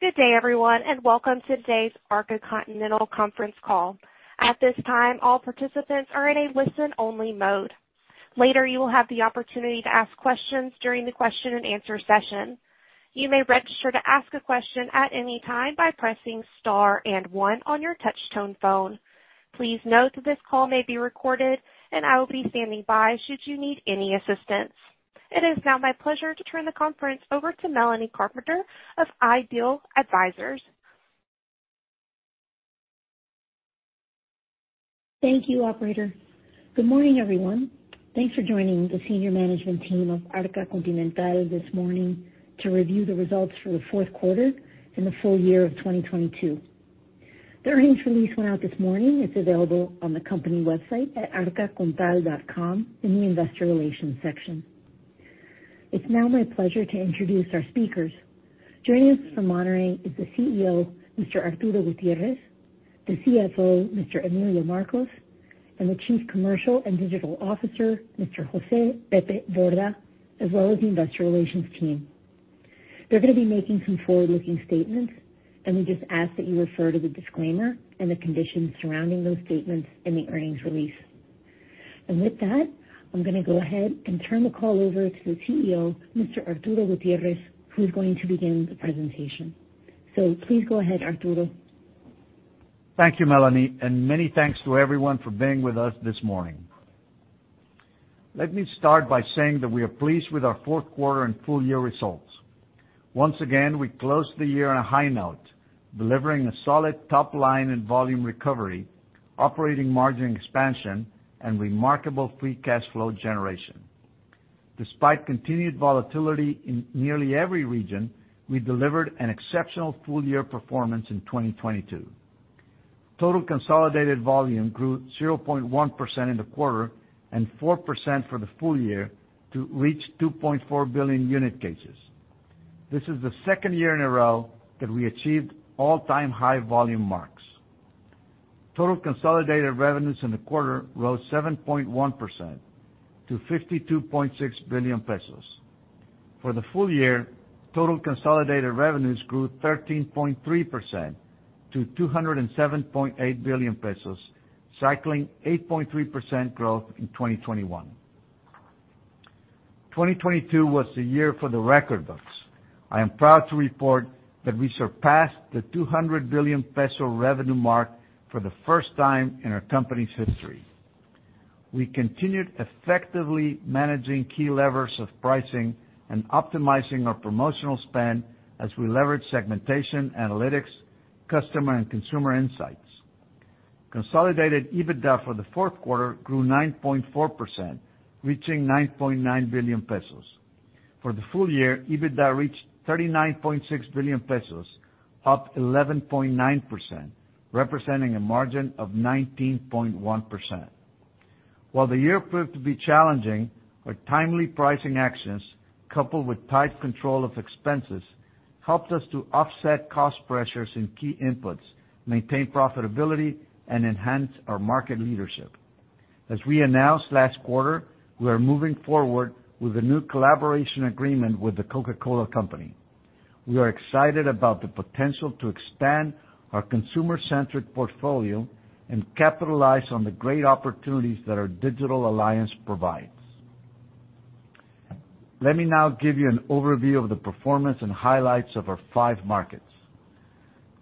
Good day, everyone, and welcome to today's Arca Continental Conference Call. At this time, all participants are in a listen-only mode. Later, you will have the opportunity to ask questions during the question and answer session. You may register to ask a question at any time by pressing star and one on your touch tone phone. Please note that this call may be recorded, and I will be standing by should you need any assistance. It is now my pleasure to turn the conference over to Melanie Carpenter of IDEAL Advisors. Thank you, operator. Good morning, everyone. Thanks for joining the senior management team of Arca Continental this morning to review the results for the fourth quarter and the full year of 2022. The earnings release went out this morning. It's available on the company website at arcacontal.com in the investor relations section. It's now my pleasure to introduce our speakers. Joining us from Monterrey is the CEO, Mr. Arturo Gutierrez, the CFO, Mr. Emilio Marcos, and the Chief Commercial and Digital Officer, Mr. José Borda Noriega, as well as the investor relations team. They're gonna be making some forward-looking statements. We just ask that you refer to the disclaimer and the conditions surrounding those statements in the earnings release. With that, I'm gonna go ahead and turn the ca ll over to the CEO, Mr. Arturo Gutierrez, who's going to begin the presentation. Please go ahead, Arturo. Thank you, Melanie, and many thanks to everyone for being with us this morning. Let me start by saying that we are pleased with our fourth quarter and full year results. Once again, we closed the year on a high note, delivering a solid top line and volume recovery, operating margin expansion, and remarkable free cash flow generation. Despite continued volatility in nearly every region, we delivered an exceptional full year performance in 2022. Total consolidated volume grew 0.1% in the quarter and 4% for the full year to reach 2.4 billion unit cases. This is the second year in a row that we achieved all-time high volume marks. Total consolidated revenues in the quarter rose 7.1% to 52.6 billion pesos. For the full year, total consolidated revenues grew 13.3% to 207.8 billion pesos, cycling 8.3% growth in 2021. 2022 was the year for the record books. I am proud to report that we surpassed the 200 billion peso revenue mark for the first time in our company's history. We continued effectively managing key levers of pricing and optimizing our promotional spend as we leverage segmentation, analytics, customer and consumer insights. Consolidated EBITDA for the fourth quarter grew 9.4%, reaching 9.9 billion pesos. For the full year, EBITDA reached 39.6 billion pesos, up 11.9%, representing a margin of 19.1%. While the year proved to be challenging, our timely pricing actions, coupled with tight control of expenses, helped us to offset cost pressures in key inputs, maintain profitability and enhance our market leadership. As we announced last quarter, we are moving forward with a new collaboration agreement with The Coca-Cola Company. We are excited about the potential to expand our consumer-centric portfolio and capitalize on the great opportunities that our digital alliance provides. Let me now give you an overview of the performance and highlights of our five markets.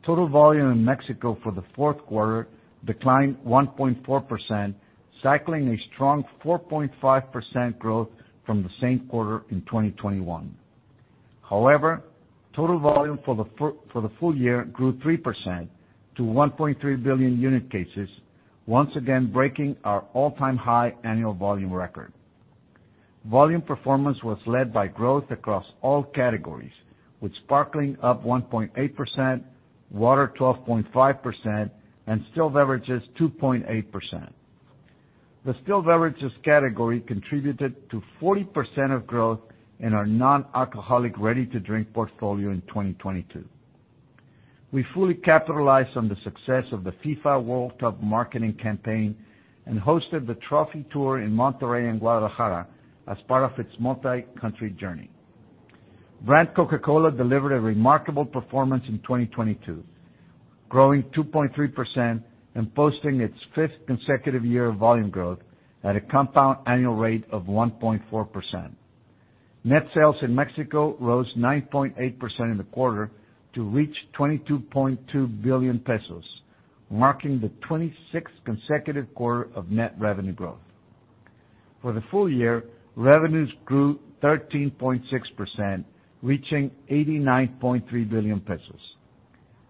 Total volume in Mexico for the fourth quarter declined 1.4%, cycling a strong 4.5% growth from the same quarter in 2021. However, total volume for the full year grew 3% to 1.3 billion unit cases, once again breaking our all-time high annual volume record. Volume performance was led by growth across all categories, with sparkling up 1.8%, water 12.5%, and Still Beverages 2.8%. The Still Beverages category contributed to 40% of growth in our non-alcoholic ready-to-drink portfolio in 2022. We fully capitalized on the success of the FIFA World Cup marketing campaign and hosted the trophy tour in Monterrey and Guadalajara as part of its multi-country journey. Brand Coca-Cola delivered a remarkable performance in 2022, growing 2.3% and posting its fifth consecutive year of volume growth at a compound annual rate of 1.4%. Net sales in Mexico rose 9.8% in the quarter to reach 22.2 billion pesos, marking the 26th consecutive quarter of net revenue growth. For the full year, revenues grew 13.6%, reaching 89.3 billion pesos.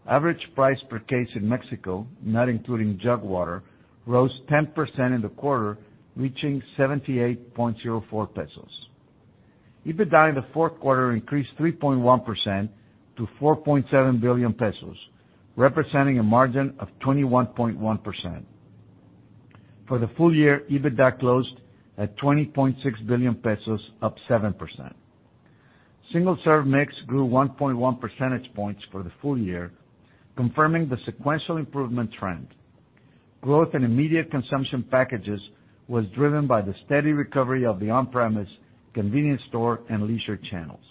Average price per case in Mexico, not includingJug Water, rose 10% in the quarter, reaching 78.04 pesos. EBITDA in the fourth quarter increased 3.1% to 4.7 billion pesos, representing a margin of 21.1%. For the full year, EBITDA closed at 20.6 billion pesos, up 7%. Single-Serve mix grew 1.1 percentage points for the full year, confirming the sequential improvement trend. Growth in immediate consumption packages was driven by the steady recovery of the on-premise convenience store and leisure channels.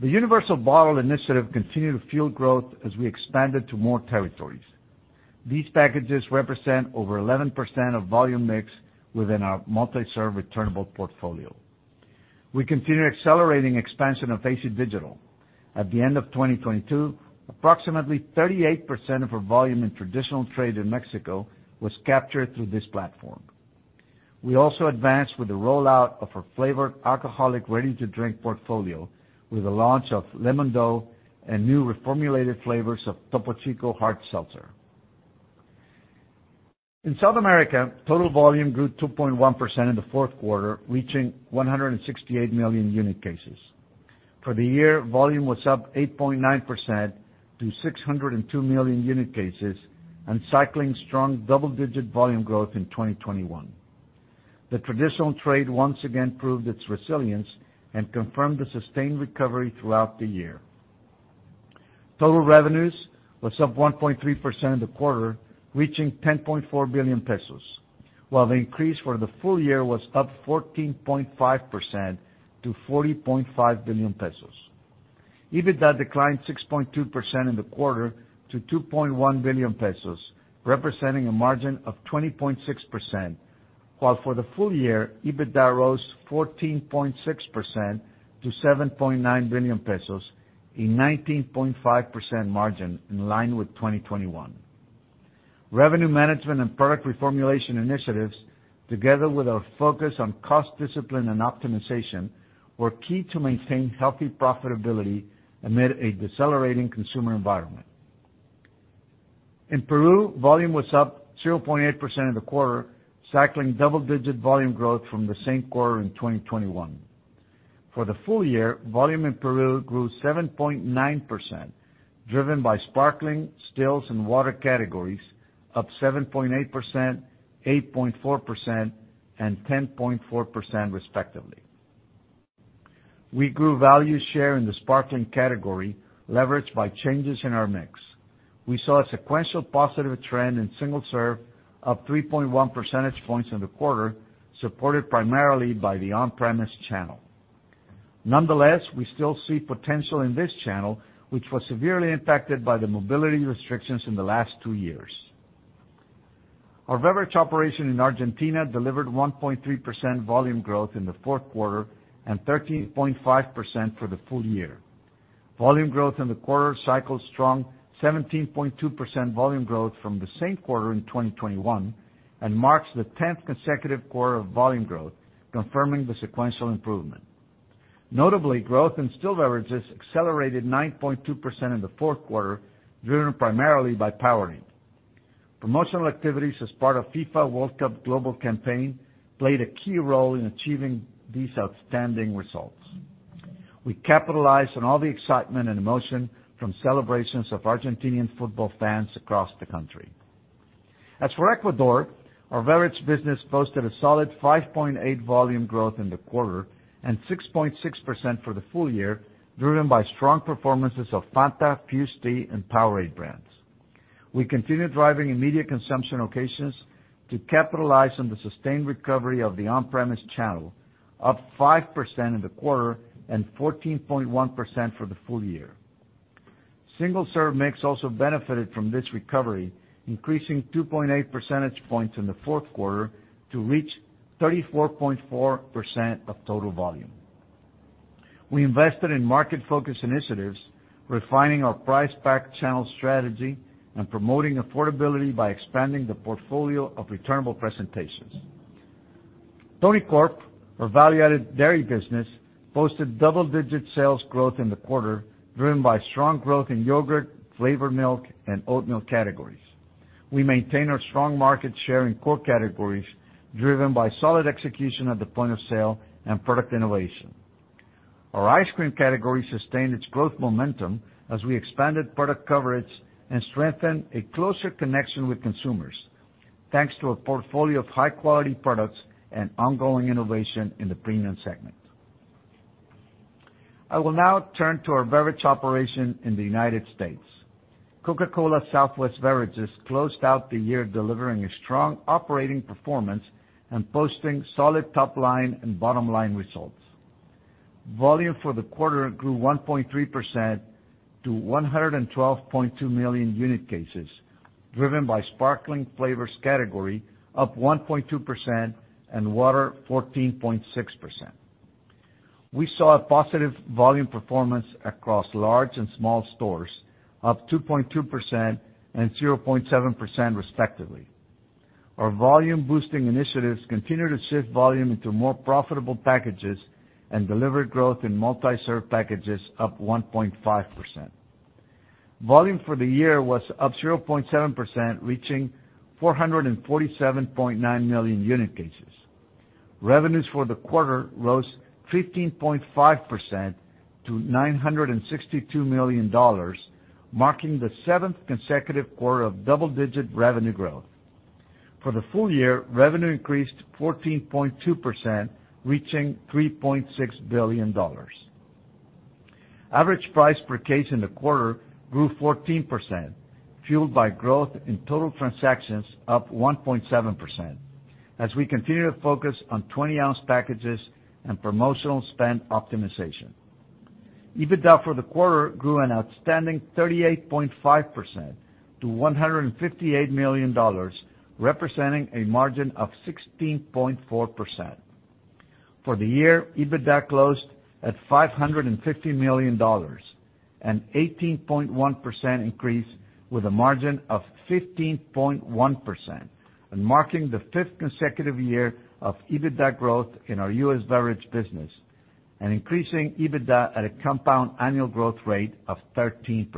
The universal bottle initiative continued to fuel growth as we expanded to more territories. These packages represent over 11% of volume mix within our Multi-Serve Returnable portfolio. We continue accelerating expansion of AC Digital. At the end of 2022, approximately 38% of our volume in traditional trade in Mexico was captured through this platform. We also advanced with the rollout of our flavored alcoholic ready-to-drink portfolio with the launch of Lemon-Dou and new reformulated flavors of Topo Chico Hard Seltzer. In South America, total volume grew 2.1% in the fourth quarter, reaching 168 million unit cases. For the year, volume was up 8.9% to 602 million unit cases and cycling strong double-digit volume growth in 2021. The traditional trade once again proved its resilience and confirmed a sustained recovery throughout the year. Total revenues was up 1.3% in the quarter, reaching 10.4 billion pesos, while the increase for the full year was up 14.5% to 40.5 billion pesos. EBITDA declined 6.2% in the quarter to 2.1 billion pesos, representing a margin of 20.6%, while for the full year, EBITDA rose 14.6% to 7.9 billion pesos, a 19.5% margin in line with 2021. Revenue management and product reformulation initiatives, together with our focus on cost discipline and optimization, were key to maintain healthy profitability amid a decelerating consumer environment. In Peru, volume was up 0.8% in the quarter, cycling double-digit volume growth from the same quarter in 2021. For the full year, volume in Peru grew 7.9%, driven by sparkling, stills, and water categories up 7.8%, 8.4%, and 10.4%, respectively. We grew value share in the sparkling category, leveraged by changes in our mix. We saw a sequential positive trend in single serve up 3.1 percentage points in the quarter, supported primarily by the on-premise channel. We still see potential in this channel, which was severely impacted by the mobility restrictions in the last two years. Our beverage operation in Argentina delivered 1.3% volume growth in the fourth quarter and 13.5% for the full year. Volume growth in the quarter cycled strong 17.2% volume growth from the same quarter in 2021 and marks the 10th consecutive quarter of volume growth, confirming the sequential improvement. Growth in still beverages accelerated 9.2% in the fourth quarter, driven primarily by Powerade. Promotional activities as part of FIFA World Cup global campaign played a key role in achieving these outstanding results. We capitalized on all the excitement and emotion from celebrations of Argentinian football fans across the country. As for Ecuador, our beverage business posted a solid 5.8 volume growth in the quarter and 6.6% for the full year, driven by strong performances of Fanta, Fuze Tea, and Powerade brands. We continue driving immediate consumption occasions to capitalize on the sustained recovery of the on-premise channel, up 5% in the quarter and 14.1% for the full year. Single-Serve mix also benefited from this recovery, increasing 2.8 percentage points in the fourth quarter to reach 34.4% of total volume. We invested in market-focused initiatives, refining our price pack channel strategy, and promoting affordability by expanding the portfolio of returnable presentations. Tonicorp, our value-added dairy business, posted double-digit sales growth in the quarter, driven by strong growth in yogurt, flavored milk, and oat milk categories. We maintain our strong market share in core categories driven by solid execution at the Point of Sale and Product Innovation. Our ice cream category sustained its growth momentum as we expanded product coverage and strengthened a closer connection with consumers, thanks to a portfolio of high-quality products and onging innovation in the premium segment. I will now turn to our beverage operation in the United States. Coca-Cola Southwest Beverages closed out the year delivering a strong operating performance and posting solid top-line and bottom-line results. Volume for the quarter grew 1.3% to 112.2 million unit cases, driven by sparkling flavors category up 1.2% and water 14.6%. We saw a positive volume performance across large and small stores, up 2.2% and 0.7%, respectively. Our volume-boosting initiatives continued to shift volume into more profitable packages and delivered growth in Multi-Serve packages up 1.5%. Volume for the year was up 0.7%, reaching 447.9 million unit cases. Revenues for the quarter rose 15.5% to $962 million, marking the seventh consecutive quarter of double-digit revenue growth. For the full year, revenue increased 14.2%, reaching $3.6 billion. Average price per case in the quarter grew 14%, fueled by growth in total transactions up 1.7%, as we continue to focus on 20-ounce packages and promotional spend optimization. EBITDA for the quarter grew an outstanding 38.5% to $158 million, representing a margin of 16.4%. For the year, EBITDA closed at $550 million, an 18.1% increase with a margin of 15.1%, and marking the fifth consecutive year of EBITDA growth in our U.S. beverage business, and increasing EBITDA at a compound annual growth rate of 13%.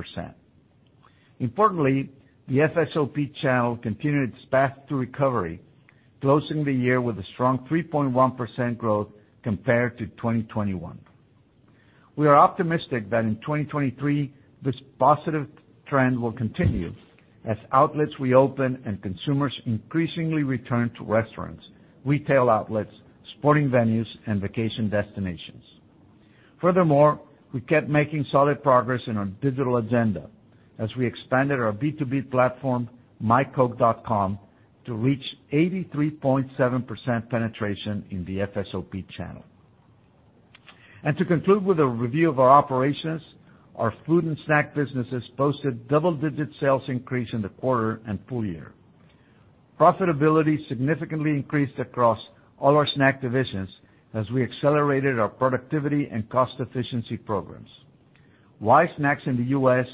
Importantly, the FSOP channel continued its path to recovery, closing the year with a strong 3.1% growth compared to 2021. We are optimistic that in 2023, this positive trend will continue as outlets reopen and consumers increasingly return to restaurants, retail outlets, sporting venues, and vacation destinations. Furthermore, we kept making solid progress in our digital agenda as we expanded our B2B platform, myCoke.com, to reach 83.7% penetration in the FSOP channel. To conclude with a review of our operations, our food and snack businesses posted double-digit sales increase in the quarter and full year. Profitability significantly increased across all our snack divisions as we accelerated our productivity and cost efficiency programs. Wise snacks in the U.S.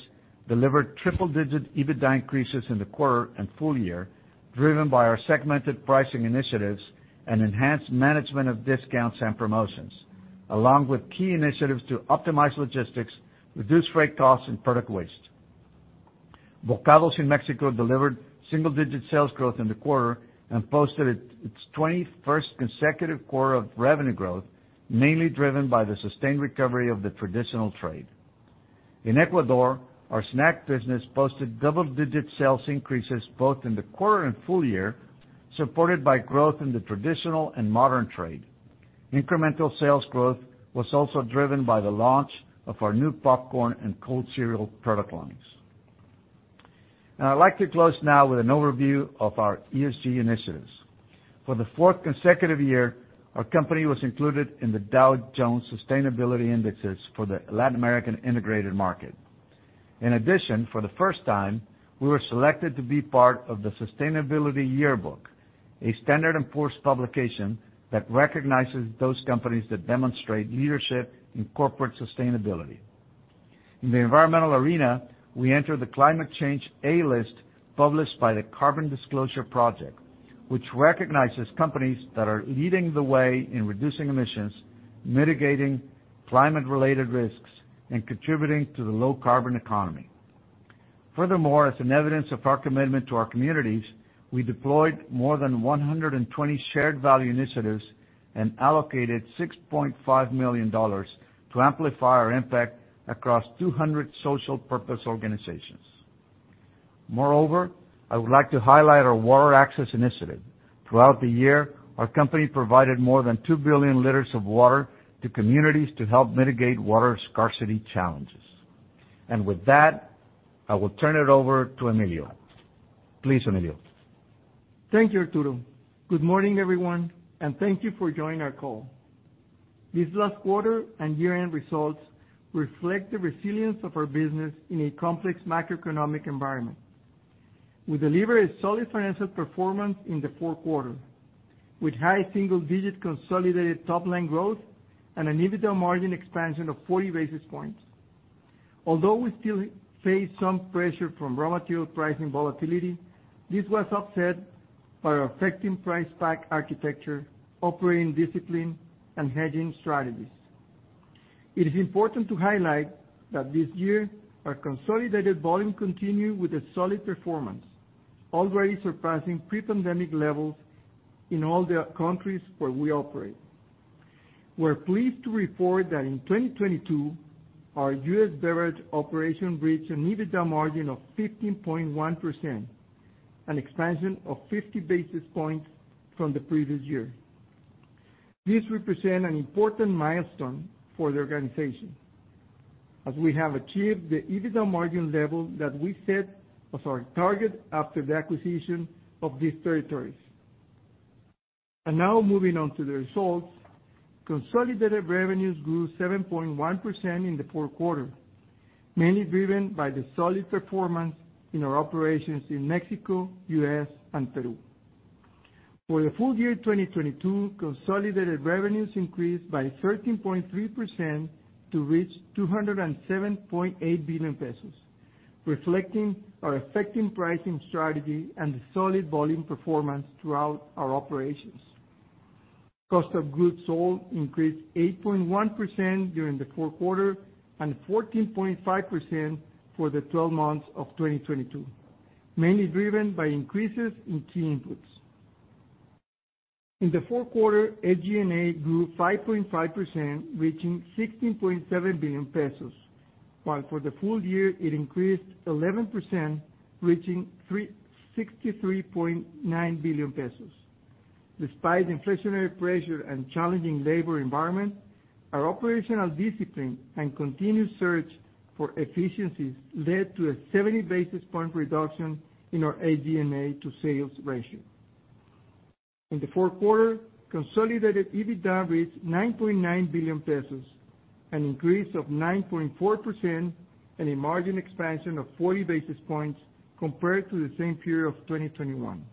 delivered triple-digit EBITDA increases in the quarter and full year, driven by our segmented pricing initiatives and enhanced management of discounts and promotions, along with key initiatives to optimize logistics, reduce freight costs and product waste. Bokados in Mexico delivered single-digit sales growth in the quarter and posted its 21st consecutive quarter of revenue growth, mainly driven by the sustained recovery of the traditional trade. In Ecuador, our snack business posted double-digit sales increases both in the quarter and full year, supported by growth in the traditional and modern trade. Incremental sales growth was also driven by the launch of our new popcorn and cold cereal product lines. I'd like to close now with an overview of our ESG initiatives. For the fourth consecutive year, our company was included in the Dow Jones Sustainability Indices for the Latin American integrated market. In addition, for the first time, we were selected to be part of the Sustainability Yearbook, an S&P Global publication that recognizes those companies that demonstrate leadership in corporate sustainability. In the environmental arena, we entered the Climate Change A List published by the Carbon Disclosure Project, which recognizes companies that are leading the way in reducing emissions, mitigating climate-related risks, and contributing to the low carbon economy. Furthermore, as an evidence of our commitment to our communities, we deployed more than 120 shared value initiatives and allocated $6.5 million to amplify our impact across 200 social purpose organizations. Moreover, I would like to highlight our water access initiative. Throughout the year, our company provided more than 2 billion liters of water to communities to help mitigate water scarcity challenges. With that, I will turn it over to Emilio. Please, Emilio. Thank you, Arturo. Good morning, everyone, thank you for joining our call. This last quarter and year-end results reflect the resilience of our business in a complex macroeconomic environment. We delivered a solid financial performance in the fourth quarter, with high single digit consolidated top line growth and an EBITDA margin expansion of 40 basis points. Although we still face some pressure from raw material pricing volatility, this was offset by our effective price pack architecture, operating discipline, and hedging strategies. It is important to highlight that this year our consolidated volume continued with a solid performance, already surpassing pre-pandemic levels in all the countries where we operate. We're pleased to report that in 2022, our U.S. beverage operation reached an EBITDA margin of 15.1%, an expansion of 50 basis points from the previous year. This represent an important milestone for the organization, as we have achieved the EBITDA margin level that we set as our target after the acquisition of these territories. Now moving on to the results. Consolidated revenues grew 7.1% in the fourth quarter, mainly driven by the solid performance in our operations in Mexico, U.S., and Peru. For the full year 2022, consolidated revenues increased by 13.3% to reach 207.8 billion pesos, reflecting our effective pricing strategy and the solid volume performance throughout our operations. Cost of goods sold increased 8.1% during the fourth quarter and 14.5% for the 12 months of 2022, mainly driven by increases in key inputs. In the fourth quarter, AGNA grew 5.5%, reaching 16.7 billion pesos, while for the full year, it increased 11%, reaching 63.9 billion pesos. Despite inflationary pressure and challenging labor environment, our operational discipline and continued search for efficiencies led to a 70 basis point reduction in our AGNA to sales ratio. In the fourth quarter, consolidated EBITDA reached 9.9 billion pesos, an increase of 9.4% and a margin expansion of 40 basis points compared to the same period of 2021.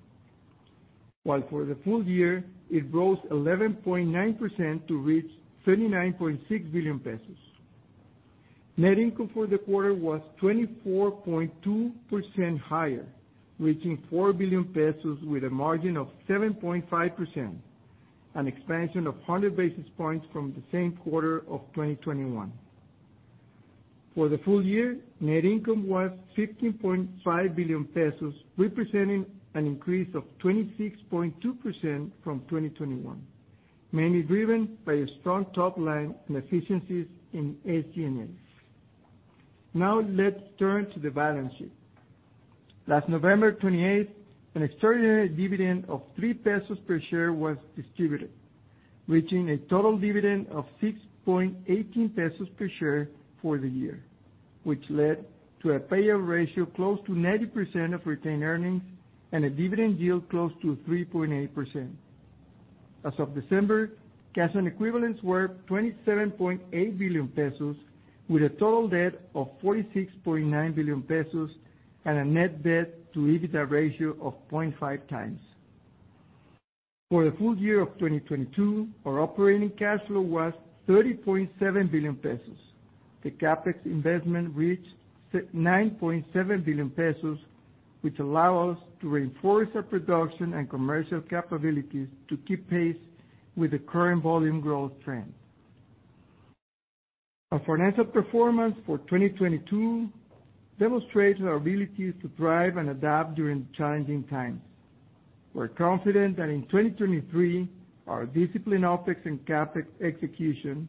While for the full year, it rose 11.9% to reach 39.6 billion pesos. Net income for the quarter was 24.2% higher, reaching 4 billion pesos with a margin of 7.5%, an expansion of 100 basis points from the same quarter of 2021. For the full year, net income was 15.5 billion pesos, representing an increase of 26.2% from 2021, mainly driven by a strong top line and efficiencies in SG&As. Let's turn to the balance sheet. Last November 28th, an extraordinary dividend of 3 pesos per share was distributed, reaching a total dividend of 6.18 pesos per share for the year, which led to a payout ratio close to 90% of retained earnings and a dividend yield close to 3.8%. As of December, cash and equivalents were 27.8 billion pesos, with a total debt of 46.9 billion pesos and a net debt to EBITDA ratio of 0.5 times. For the full year of 2022, our operating cash flow was 30.7 billion pesos. The CapEx investment reached 9.7 billion pesos, which allow us to reinforce our production and commercial capabilities to keep pace with the current volume growth trend. Our financial performance for 2022 demonstrates our ability to thrive and adapt during challenging times. We're confident that in 2023, our disciplined OpEx and CapEx execution,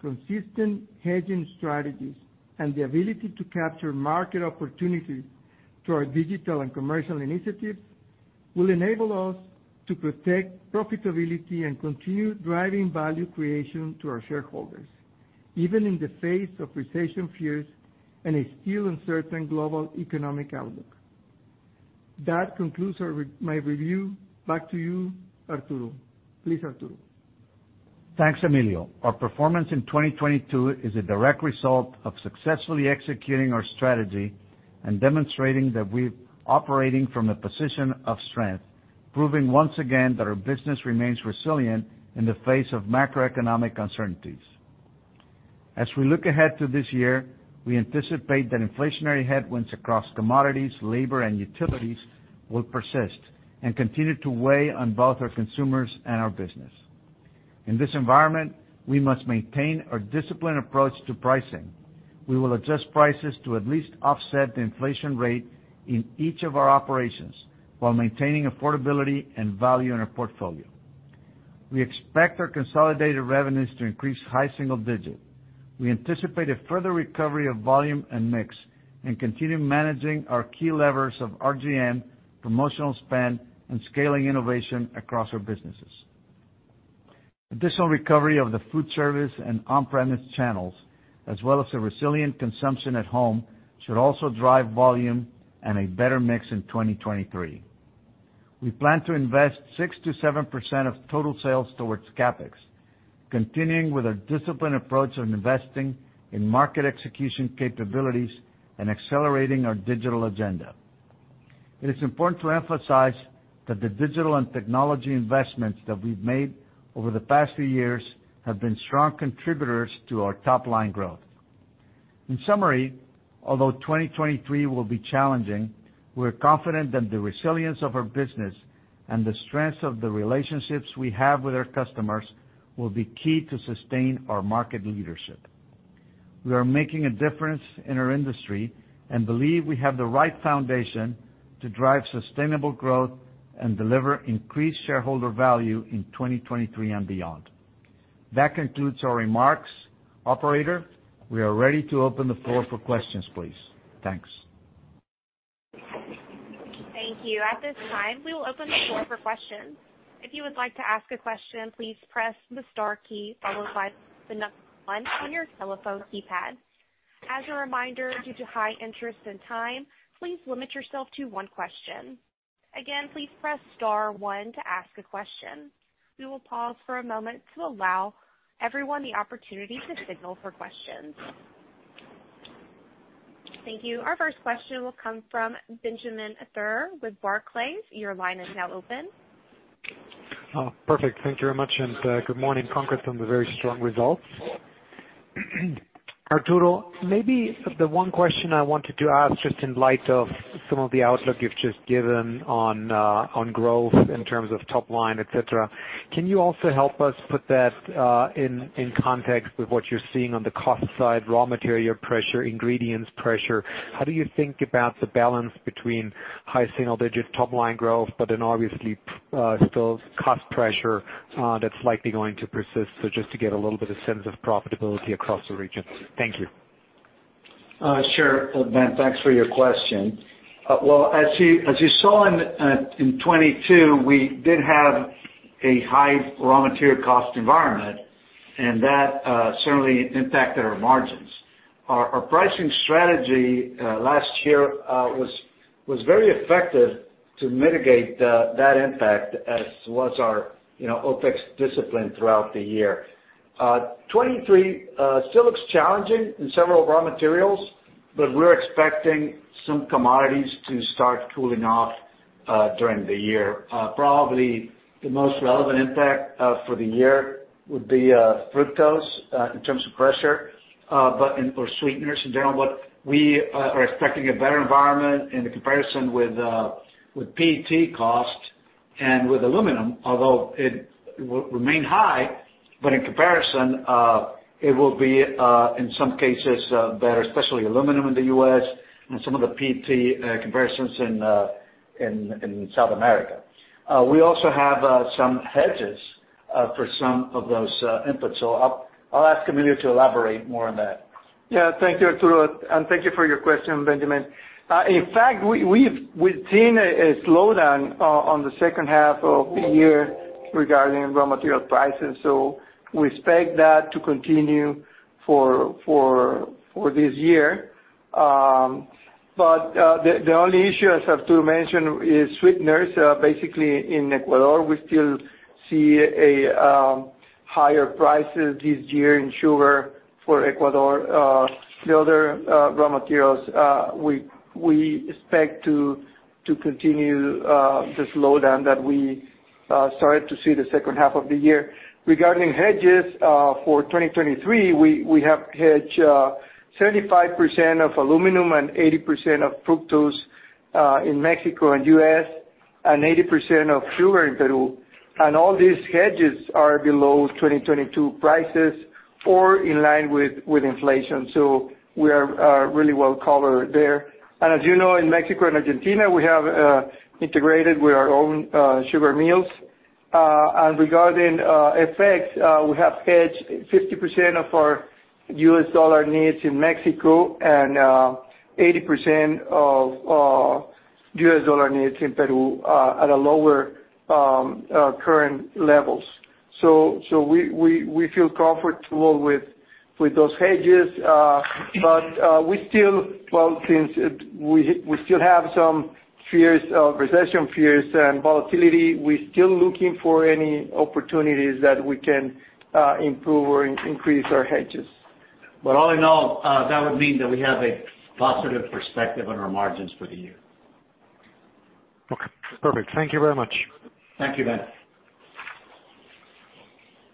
consistent hedging strategies, and the ability to capture market opportunities through our digital and commercial initiatives will enable us to protect profitability and continue driving value creation to our shareholders, even in the face of recession fears and a still uncertain global economic outlook. That concludes my review. Back to you, Arturo. Please, Arturo. Thanks, Emilio. Our performance in 2022 is a direct result of successfully executing our strategy and demonstrating that we're operating from a position of strength, proving once again that our business remains resilient in the face of macroeconomic uncertainties. As we look ahead to this year, we anticipate that inflationary headwinds across commodities, labor, and utilities will persist and continue to weigh on both our consumers and our business. In this environment, we must maintain our disciplined approach to pricing. We will adjust prices to at least offset the inflation rate in each of our operations while maintaining affordability and value in our portfolio. We expect our consolidated revenues to increase high single digit. We anticipate a further recovery of volume and mix and continue managing our key levers of RGM, promotional spend, and scaling innovation across our businesses. Additional recovery of the food service and on-premise channels, as well as a resilient consumption at home, should also drive volume and a better mix in 2023. We plan to invest 6%-7% of total sales towards CapEx, continuing with a disciplined approach on investing in market execution capabilities and accelerating our digital agenda. It is important to emphasize that the digital and technology investments that we've made over the past few years have been strong contributors to our top-line growth. In summary, although 2023 will be challenging, we're confident that the resilience of our business and the strength of the relationships we have with our customers will be key to sustain our market leadership. We are making a difference in our industry and believe we have the right foundation to drive Sustainable Growth and deliver increased shareholder value in 2023 and beyond. That concludes our remarks. Operator, we are ready to open the floor for questions, please. Thanks. Thank you. At this time, we will open the floor for questions. If you would like to ask a question, please press the star key followed by one on your telephone keypad. As a reminder, due to high interest and time, please limit yourself to one question. Again, please press star one to ask a question. We will pause for a moment to allow everyone the opportunity to signal for questions. Thank you. Our first question will come from Benjamin Theurer with Barclays. Your line is now open. Perfect. Thank you very much and good morning. Congrats on the very strong results. Arturo, maybe the one question I wanted to ask just in light of some of the outlook you've just given on growth in terms of top line, et cetera, can you also help us put that in context with what you're seeing on the cost side, raw material pressure, ingredients pressure? How do you think about the balance between high single digit top-line growth, but then obviously, still cost pressure that's likely going to persist? Just to get a little bit of sense of profitability across the region. Thank you. Sure, Ben, thanks for your question. Well, as you saw in 2022, we did have a high raw material cost environment and that certainly impacted our margins. Our pricing strategy last year was very effective to mitigate that impact, as was our, you know, OpEx discipline throughout the year. 2023 still looks challenging in several raw materials, but we're expecting some commodities to start cooling off during the year. Probably the most relevant impact for the year would be fructose in terms of pressure, or sweeteners in general. We are expecting a better environment in the comparison with PET cost and with aluminum, although it remain high, but in comparison, it will be in some cases better, especially aluminum in the U.S. and some of the PET comparisons in South America. We also have some hedges for some of those inputs. I'll ask Emilio to elaborate more on that. Thank you, Arturo. And thank you for your question, Benjamin. In fact, we've seen a slowdown on the second half of the year regarding raw material prices, so we expect that to continue for this year. But the only issue, as Arturo mentioned, is sweeteners. Basically in Ecuador, we still see higher prices this year in sugar for Ecuador. The other raw materials, we expect to continue the slowdown that we started to see the second half of the year. Regarding hedges, for 2023, we have hedged 75% of aluminum and 80% of fructose in Mexico and U.S., and 80% of sugar in Peru. And all these hedges are below 2022 prices or in line with inflation. We are really well covered there. As you know, in Mexico and Argentina, we have integrated with our own sugar mills. Regarding FX, we have hedged 50% of our U.S. dollar needs in Mexico and 80% of U.S. dollar needs in Peru at a lower current levels. We feel comfortable with those hedges. We still, well, since we still have some fears of, recession fears and volatility, we're still looking for any opportunities that we can improve or increase our hedges. All in all, that would mean that we have a positive perspective on our margins for the year. Okay. Perfect. Thank you very much. Thank you, Ben.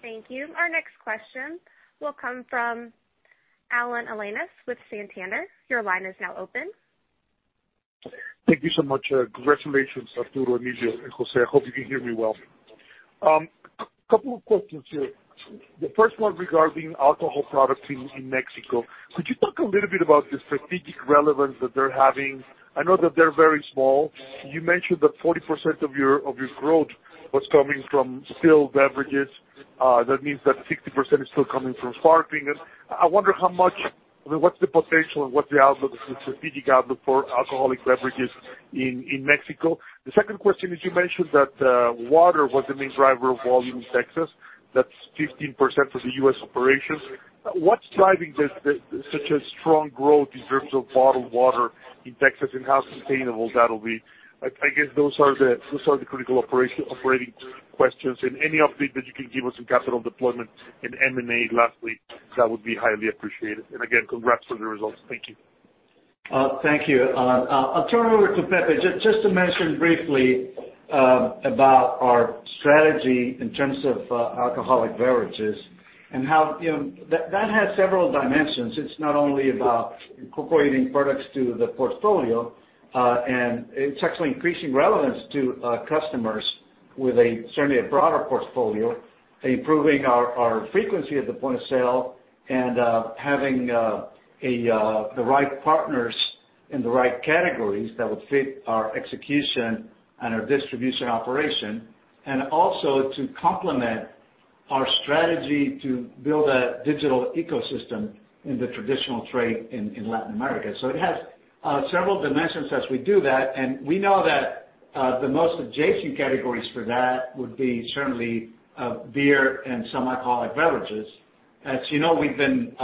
Thank you. Our next question will come from Alan Alanis with Santander. Your line is now open. Thank you so much. Congratulations, Arturo, Emilio, and José. I hope you can hear me well. Couple of questions here. The first one regarding alcohol products in Mexico. Could you talk a little bit about the strategic relevance that they're having? I know that they're very small. You mentioned that 40% of your growth was coming from still beverages. That means that 60% is still coming from sparkling. I wonder how much. I mean, what's the potential and what the outlook, the strategic outlook for alcoholic beverages in Mexico? The second question is, you mentioned that water was the main driver of volume in Texas. That's 15% of the U.S. operations. What's driving this such a strong growth in terms of bottled water in Texas, and how sustainable that'll be? I guess those are the critical operating questions. Any update that you can give us in capital deployment in M&A lastly, that would be highly appreciated. Again, congrats on the results. Thank you. Thank you, Alan. I'll turn it over to Pepe just to mention briefly about our strategy in terms of alcoholic beverages and how, you know, that has several dimensions. It's not only about incorporating products to the portfolio, it's actually increasing relevance to customers with a, certainly a broader portfolio, improving our frequency at the Point of Sale and having the right partners in the right categories that would fit our execution and our distribution operation. Also to complement our strategy to build a digital ecosystem in the traditional trade in Latin America. It has several dimensions as we do that, and we know that the most adjacent categories for that would be certainly beer and some alcoholic beverages. As you know, we've been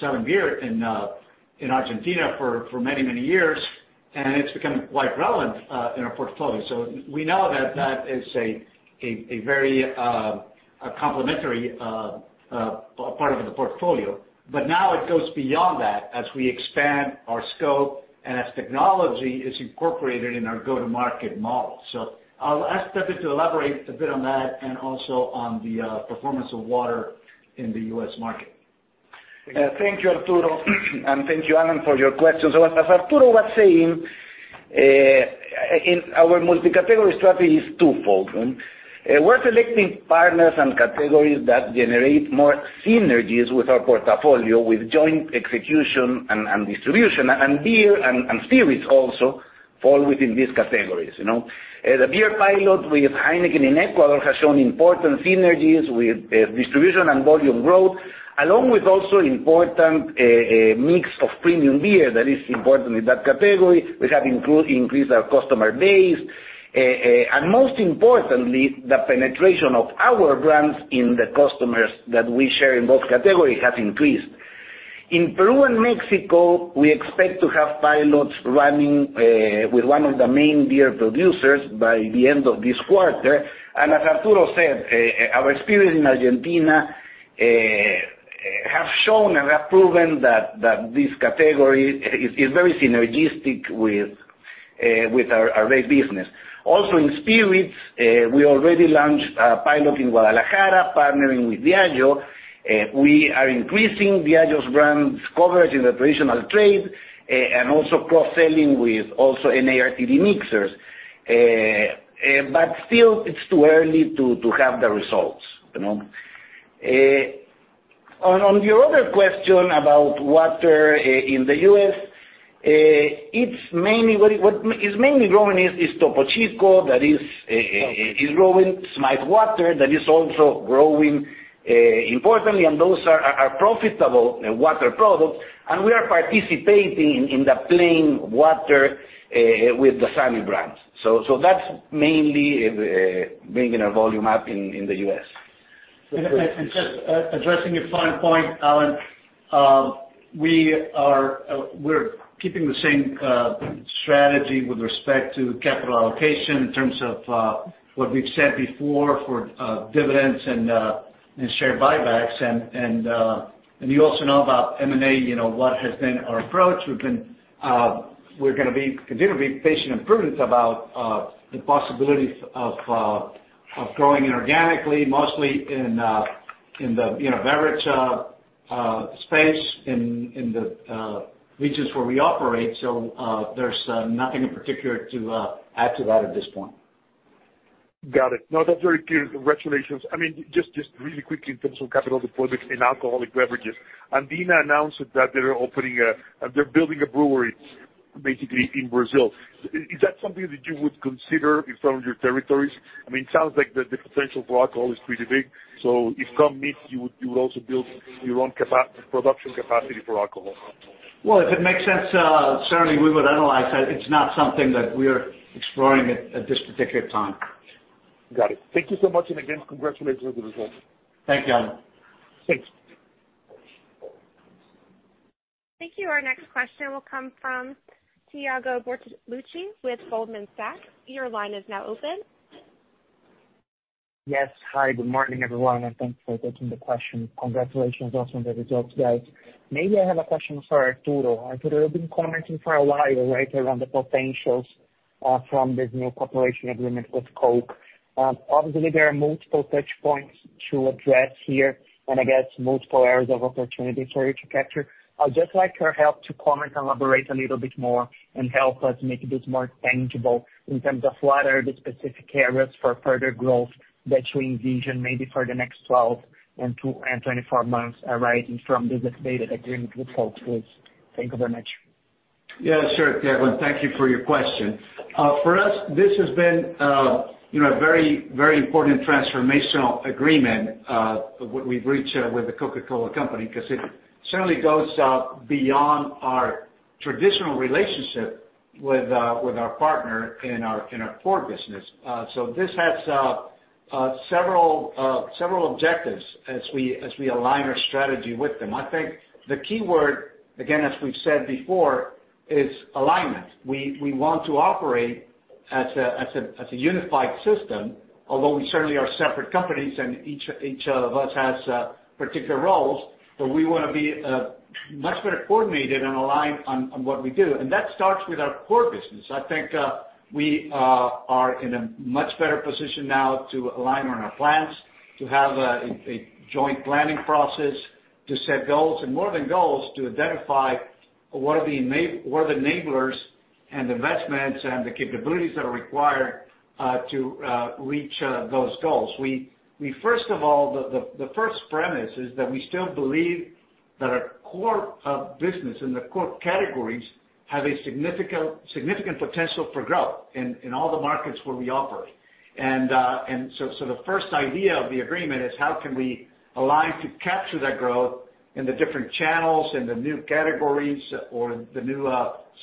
selling beer in Argentina for many years, and it's become quite relevant in our portfolio. We know that that is a very complementary part of the portfolio. Now it goes beyond that as we expand our scope and as technology is incorporated in our go-to-market model. I'll ask Pepe to elaborate a bit on that and also on the performance of water in the U.S. market. Thank you, Arturo. Thank you, Alan, for your questions. As Arturo was saying, in our multi-category strategy is twofold. We're selecting partners and categories that generate more synergies with our portfolio, with joint execution and distribution. Beer and spirits also fall within these categories, you know? The beer pilot with Heineken in Ecuador has shown important synergies with distribution and volume growth, along with also important mix of premium beer that is important in that category. We have increased our customer base. Most importantly, the penetration of our brands in the customers that we share in both categories has increased. In Peru and Mexico, we expect to have pilots running with one of the main beer producers by the end of this quarter. As Arturo said, our experience in Argentina have shown and have proven that this category is very synergistic with our rate business. Also, in spirits, we already launched a pilot in Guadalajara, partnering with Diageo. We are increasing Diageo's brands coverage in the traditional trade, and also cross-selling with also in RTD mixers. Still, it's too early to have the results, you know? On your other question about water in the U.S., it's mainly what is mainly growing is Topo Chico that is growing, smartwater that is also growing importantly, and those are profitable water products, and we are participating in the plain water with Dasani brands. That's mainly bringing our volume up in the U.S. Just addressing your final point, Alan, we are, we're keeping the same strategy with respect to capital allocation in terms of what we've said before for dividends and share buybacks. You also know about M&A, you know, what has been our approach. We're gonna be, continue to be patient and prudent about the possibilities of growing inorganically, mostly in the, you know, beverage space in the regions where we operate. There's nothing in particular to add to that at this point. Got it. No, that's very clear. Congratulations. I mean, just really quickly in terms of capital deployment in alcoholic beverages. Ambev announced that they're building a brewery basically in Brazil. Is that something that you would consider in some of your territories? I mean, it sounds like the potential for alcohol is pretty big, so if come meet, you would also build your own production capacity for alcohol. Well, if it makes sense, certainly we would analyze that. It's not something that we're exploring at this particular time. Got it. Thank you so much, and again, congratulations on the results. Thank you, Alan. Thanks. Thank you. Our next question will come from Thiago Bortoluci with Goldman Sachs. Your line is now open. Yes. Hi, good morning, everyone, thanks for taking the question. Congratulations also on the results, guys. Maybe I have a question for Arturo. Arturo, you've been commenting for a while, right, around the potentials from this new cooperation agreement with Coke. Obviously, there are multiple touch points to address here, I guess multiple areas of opportunity for you to capture. I would just like your help to comment, elaborate a little bit more and help us make a bit more tangible in terms of what are the specific areas for further growth that you envision maybe for the next 12 and 24 months arising from this updated agreement with Coke, please. Thank you very much. Yeah, sure, Thiago. Thank you for your question. For us, this has been, you know, a very, very important transformational agreement we've reached with The Coca-Cola Company, 'cause it certainly goes beyond our traditional relationship with our partner in our core business. This has several objectives as we align our strategy with them. I think the key word, again, as we've said before, is alignment. We want to operate as a unified system, although we certainly are separate companies and each of us has particular roles, but we wanna be much better coordinated and aligned on what we do. That starts with our core business. I think, we are in a much better position now to align on our plans, to have a joint planning process, to set goals, and more than goals, to identify what are the enablers and investments and the capabilities that are required to reach those goals. We first of all, the first premise is that we still believe that our core business and the core categories have a significant potential for growth in all the markets where we operate. The first idea of the agreement is how can we align to capture that growth in the different channels and the new categories or the new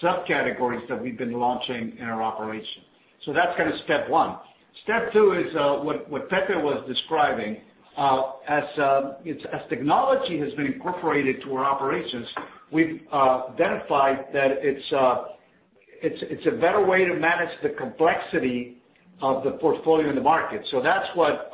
subcategories that we've been launching in our operation. That's kind of step one. Step two is what Pepe was describing. As technology has been incorporated to our operations, we've identified that it's a better way to manage the complexity of the portfolio in the market. That's what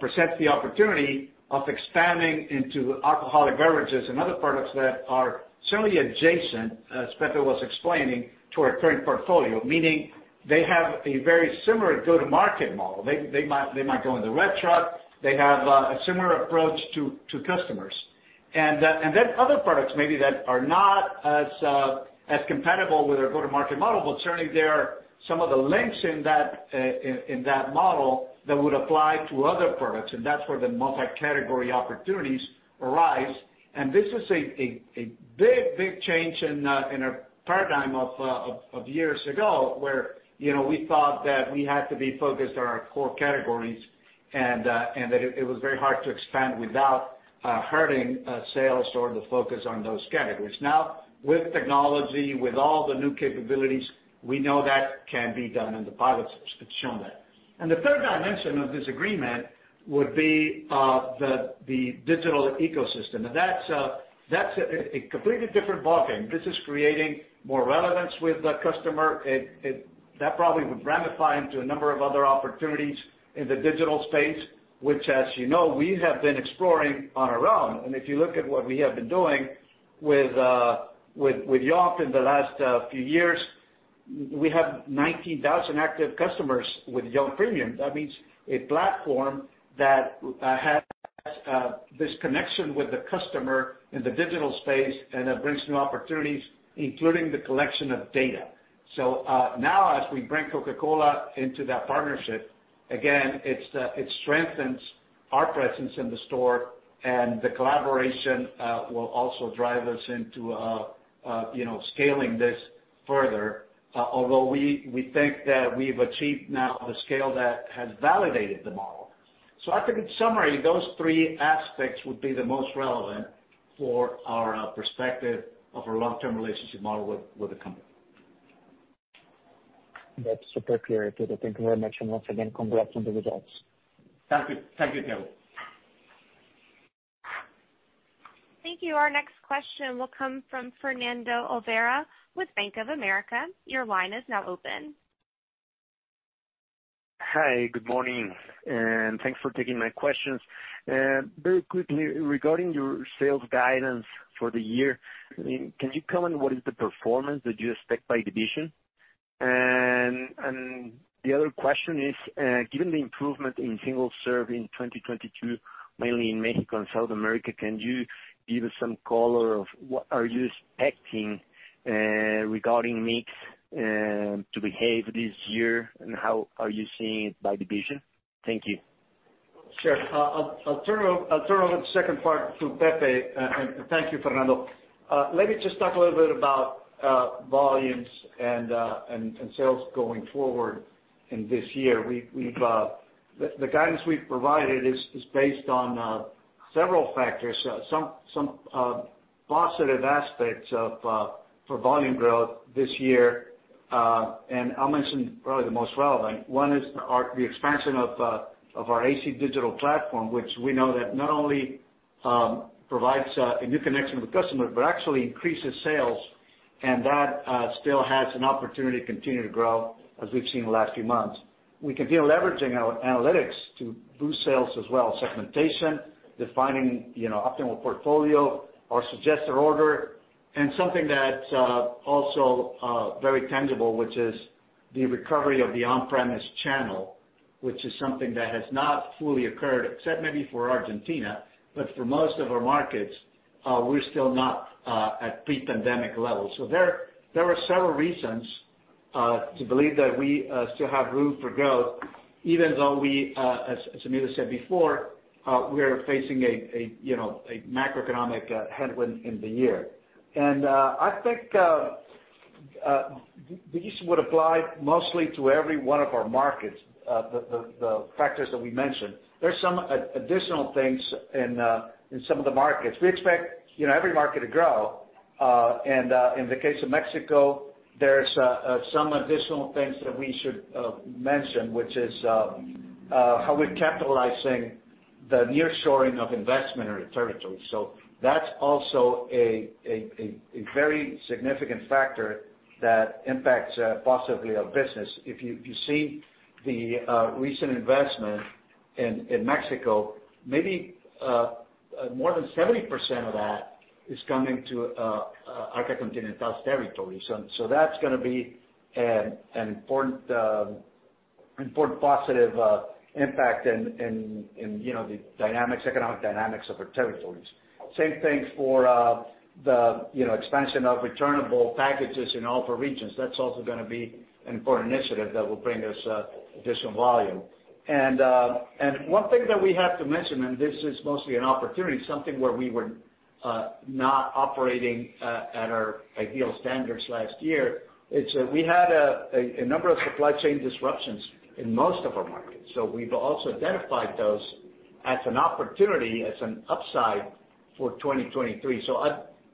presents the opportunity of expanding into alcoholic beverages and other products that are certainly adjacent, as Pepe was explaining, to our current portfolio. Meaning they have a very similar go-to-market model. They might go in the red truck. They have a similar approach to customers. Other products maybe that are not as compatible with our go-to-market model, but certainly there are some of the links in that model that would apply to other products, and that's where the multi-category opportunities arise. This is a big change in a paradigm of years ago, where, you know, we thought that we had to be focused on our core categories, and that it was very hard to expand without hurting sales or the focus on those categories. Now, with technology, with all the new capabilities, we know that can be done, and the pilots have shown that. The third dimension of this agreement would be the digital ecosystem. That's a completely different ballgame. This is creating more relevance with the customer. That probably would ramify into a number of other opportunities in the digital space, which, as you know, we have been exploring on our own. If you look at what we have been doing with Yomp! In the last few years, we have 19,000 active customers with Yomp! Premium. That means a platform that has this connection with the customer in the digital space and that brings new opportunities, including the collection of data. Now, as we bring Coca-Cola into that partnership, again, it's it strengthens our presence in the store, and the collaboration will also drive us into, you know, scaling this further, although we think that we've achieved now a scale that has validated the model. I think, in summary, those three aspects would be the most relevant for our perspective of our long-term relationship model with the company. That's super clear, Arturo. Thank you very much. Once again, congrats on the results. Thank you. Thank you, Thiago. Thank you. Our next question will come from Fernando Olvera with Bank of America. Your line is now open. Hi, good morning, and thanks for taking my questions. Very quickly, regarding your sales guidance for the year, I mean, can you comment what is the performance that you expect by division? The other question is, given the improvement in single serve in 2022, mainly in Mexico and South America, can you give some color of what are you expecting, regarding mix, to behave this year, and how are you seeing it by division? Thank you. Sure. I'll turn over the second part to Pepe, thank you, Fernando. Let me just talk a little bit about volumes and sales going forward in this year. The guidance we've provided is based on several factors, some positive aspects for volume growth this year, I'll mention probably the most relevant. One is the expansion of our AC Digital platform, which we know that not only provides a new connection with the customer, but actually increases sales, that still has an opportunity to continue to grow as we've seen in the last few months. We continue leveraging our analytics to boost sales as well, segmentation, defining, you know, optimal portfolio, our suggested order, and something that also very tangible, which is the recovery of the on-premise channel, which is something that has not fully occurred, except maybe for Argentina. For most of our markets, we're still not at pre-pandemic levels. There are several reasons to believe that we still have room for growth even though we, as Emilio said before, we are facing a, you know, a macroeconomic headwind in the year. I think this would apply mostly to every one of our markets, the factors that we mentioned. There's some additional things in some of the markets. We expect, you know, every market to grow. In the case of Mexico, there are some additional things that we should mention, which is how we are capitalizing the nearshoring of investment in the territory. So that's also a very significant factor that impacts positively our business. If you see the recent investment in Mexico, maybe more than 70% of that is coming to Arca Continental's territory. So that's going to be an important positive impact in, you know, the dynamics, economic dynamics of our territories. Same thing for the, you know, expansion of returnable packages in all four regions. That's also going to be an important initiative that will bring us additional volume. One thing that we have to mention, and this is mostly an opportunity, something where we were not operating at our ideal standards last year, it's we had a number of supply chain disruptions in most of our markets. We've also identified those as an opportunity, as an upside for 2023.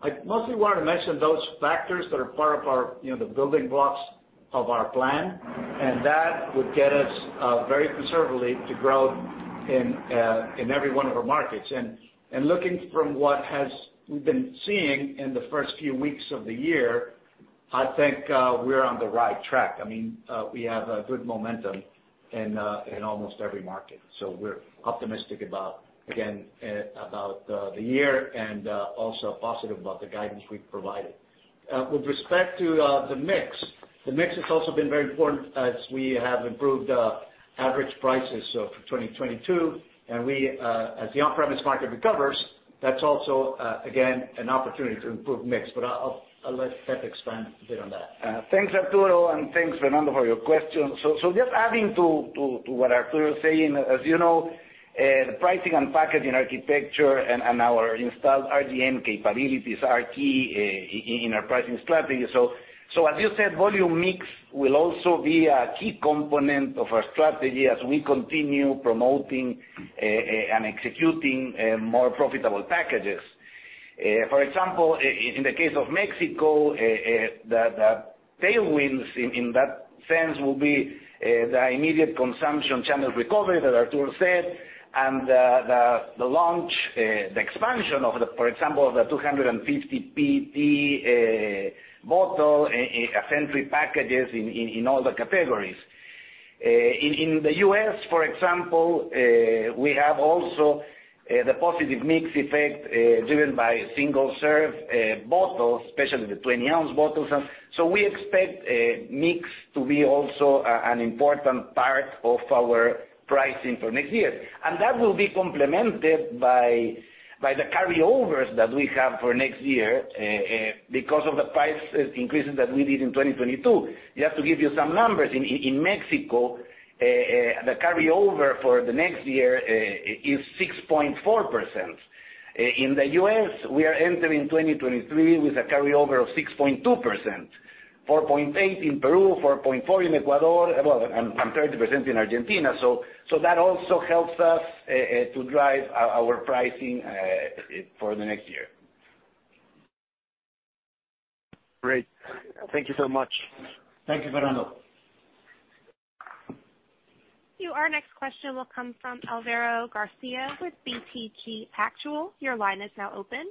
I mostly want to mention those factors that are part of our, you know, the building blocks of our plan, and that would get us very conservatively to grow in every one of our markets. Looking from we've been seeing in the first few weeks of the year, I think we're on the right track. I mean, we have a good momentum in almost every market, so we're optimistic about, again, about the year and also positive about the guidance we've provided. With respect to, the mix has also been very important as we have improved average prices, so for 2022, and we, as the on-premise market recovers, that's also, again, an opportunity to improve mix. I'll let Pepe expand a bit on that. Thanks, Arturo, and thanks Fernando, for your question. Just adding to what Arturo is saying, as you know, the pricing and packaging architecture and our installed RGM capabilities are key in our pricing strategy. As you said, volume mix will also be a key component of our strategy as we continue promoting and executing more profitable packages. For example, in the case of Mexico, the tailwinds in that sense will be the immediate consumption channel recovery that Arturo said, and the launch, the expansion of the, for example, the 250 PP bottle, entry packages in all the categories. In the U.S., for example, we have also the positive mix effect, driven by single serve bottles, especially the 20-oz bottles. We expect mix to be also an important part of our pricing for next year. That will be complemented by the carryovers that we have for next year because of the price increases that we did in 2022. Just to give you some numbers, in Mexico, the carryover for the next year is 6.4%. In the U.S., we are entering 2023 with a carryover of 6.2%, 4.8% in Peru, 4.4% in Ecuador, and 30% in Argentina. That also helps us to drive our pricing for the next year. Great. Thank you so much. Thank you, Fernando. Our next question will come from Alvaro Garcia with BTG Pactual. Your line is now open.